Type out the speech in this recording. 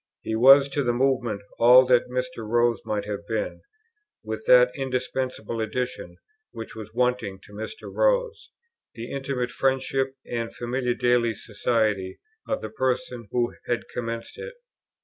He was to the Movement all that Mr. Rose might have been, with that indispensable addition, which was wanting to Mr. Rose, the intimate friendship and the familiar daily society of the persons who had commenced it.